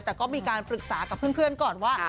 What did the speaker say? แต่ก็มีการปรึกษากับเพื่อนก่อนว่า